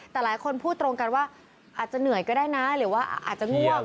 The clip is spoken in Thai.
แต่หลายคนพูดตรงกันว่าอาจจะเหนื่อยก็ได้นะหรือว่าอาจจะง่วง